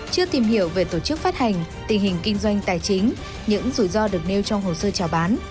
chưa tìm hiểu về tổ chức phát hành tình hình kinh doanh tài chính những rủi ro được nêu trong hồ sơ trào bán